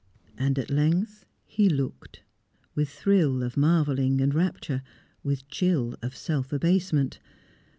And at length he looked. With thrill of marvelling and rapture, with chill of self abasement.